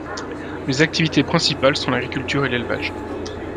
Les activités principales sont l'agriculture et l'élevage.